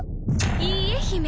いいえ姫